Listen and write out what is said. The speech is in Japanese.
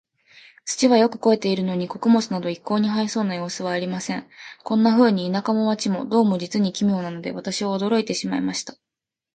土はよく肥えているのに、穀物など一向に生えそうな様子はありません。こんなふうに、田舎も街も、どうも実に奇妙なので、私は驚いてしまいました。